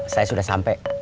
saya sudah sampe